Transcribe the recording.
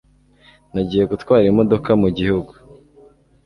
nagiye gutwara imodoka mu gihugu